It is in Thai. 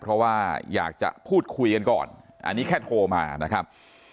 เพราะว่าอยากจะพูดคุยกันก่อนอันนี้แค่โทรมานะครับ